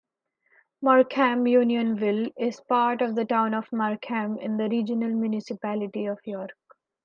Markham-Unionville is part of the Town of Markham, in the Regional Municipality of York.